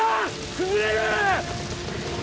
崩れる！